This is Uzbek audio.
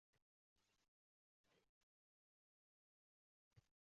deb ustiga bir mikdor qo'shardi ham.